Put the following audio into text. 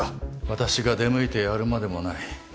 私が出向いてやるまでもない。